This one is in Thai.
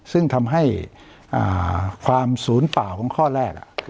ซึ่งทำให้ความศูนย์เปล่าของข้อแรก